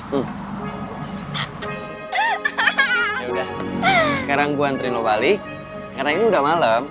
ya udah sekarang gue anterin lo balik karena ini udah malem